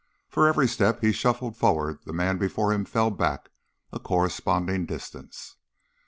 For every step he shuffled forward the man before him fell back a corresponding distance.